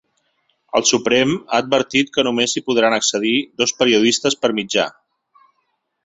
El Suprem ha advertit que només hi podran accedir dos periodistes per mitjà.